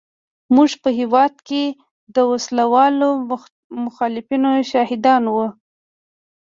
موږ په هېواد کې د وسله والو مخالفینو شاهدان وو.